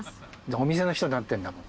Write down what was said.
お店の人になってんだもう。